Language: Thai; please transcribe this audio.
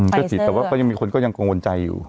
ก็ฉีดแต่ว่าก็ยังมีคนก็ยังกังวลใจอยู่